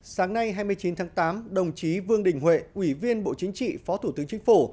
sáng nay hai mươi chín tháng tám đồng chí vương đình huệ ủy viên bộ chính trị phó thủ tướng chính phủ